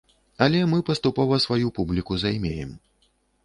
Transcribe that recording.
Але мы паступова сваю публіку займеем.